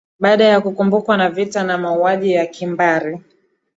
Baada ya kukumbwa na vita na mauaji ya kimbari